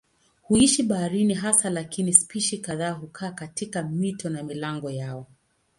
Huishi baharini hasa lakini spishi kadhaa hukaa katika mito na milango yao.